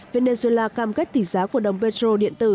venezuela cam kết tỷ giá của đồng petro điện tử